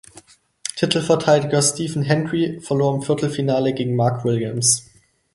Titelverteidiger Stephen Hendry verlor im Viertelfinale gegen Mark Williams.